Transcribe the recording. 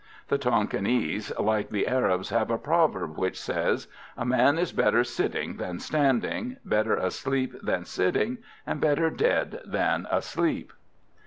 The Tonquinese, like the Arabs, have a proverb which says: "A man is better sitting than standing, better asleep than sitting, and better dead than asleep."